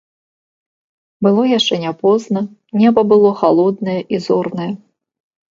Было яшчэ не позна, неба было халоднае і зорнае.